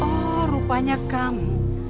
oh rupanya kamu